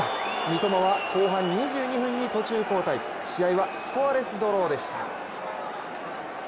三笘は後半２２分に途中交代、試合はスコアレスドローでした。